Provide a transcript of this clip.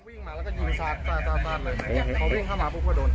วิ่งมาแล้วก็ยิงซาซาซาซเลยเขาวิ่งเข้ามาพวกเขาโดน